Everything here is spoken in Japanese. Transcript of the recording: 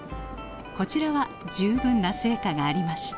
こちらは十分な成果がありました。